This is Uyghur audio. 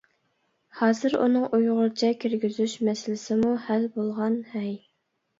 ھازىر ئۇنىڭ ئۇيغۇرچە كىرگۈزۈش مەسىلىسىمۇ ھەل بولغان. ھەي!